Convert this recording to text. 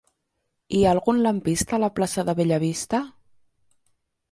Hi ha algun lampista a la plaça de Bellavista?